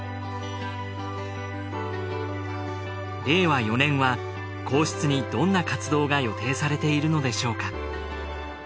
令和４年は皇室にどんな活動が予定されているのでしょうか？